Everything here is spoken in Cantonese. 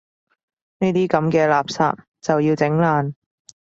呢啲噉嘅垃圾就要整爛